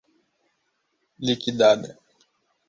liquidada